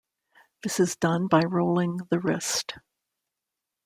This is done by rolling the wrist.